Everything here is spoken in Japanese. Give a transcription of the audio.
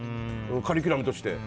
カリキュラムとして。